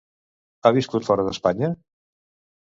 Ha viscut fora d'Espanya?